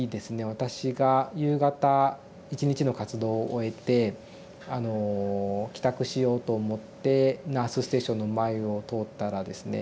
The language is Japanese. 私が夕方一日の活動を終えて帰宅しようと思ってナースステーションの前を通ったらですね